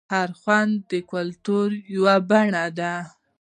هر خوند د کلتور یوه بڼه ده.